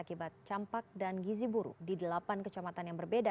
akibat campak dan gizi buruk di delapan kecamatan yang berbeda